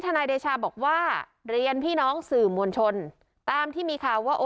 นายเดชาบอกว่าเรียนพี่น้องสื่อมวลชนตามที่มีข่าวว่า